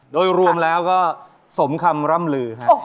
โดยรวมแล้วก็สมคำร่ำลือครับ